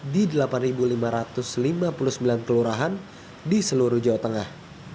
di delapan lima ratus lima puluh sembilan kelurahan di seluruh jawa tengah